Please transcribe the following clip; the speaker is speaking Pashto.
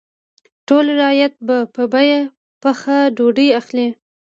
ټول رعیت به په بیه پخه ډوډۍ اخلي.